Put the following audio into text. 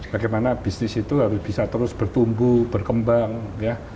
bagaimana bisnis itu harus bisa terus bertumbuh berkembang ya